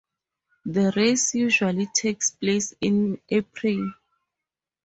The race usually takes place in April.